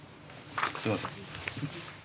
すいません。